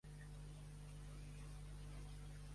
És l'emissora de ràdio del campus del Humber College.